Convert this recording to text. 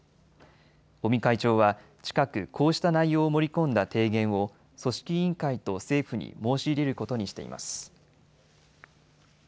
尾身会長は近く、こうした内容を盛り込んだ提言を組織委員会と政府に申し入れることにしています。